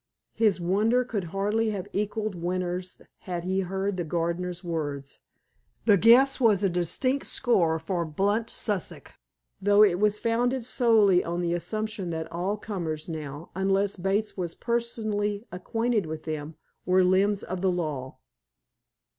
His wonder could hardly have equaled Winter's had he heard the gardener's words. The guess was a distinct score for blunt Sussex, though it was founded solely on the assumption that all comers now, unless Bates was personally acquainted with them, were limbs of the law.